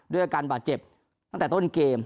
อาการบาดเจ็บตั้งแต่ต้นเกม